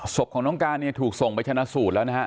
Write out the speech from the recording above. ศพของน้องการเนี่ยถูกส่งไปชนะสูตรแล้วนะฮะ